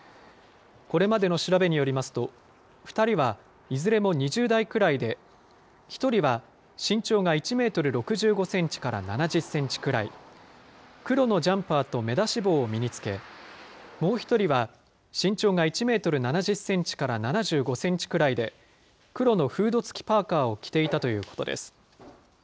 これまでの調べによりますと、２人はいずれも２０代くらいで、１人は身長が１メートル６５センチから７０センチくらい、黒のジャンパーと目出し帽を身につけ、もう１人は身長が１メートル７０センチから７５センチくらいで、黒のフード付きパーカーを着ていたということです。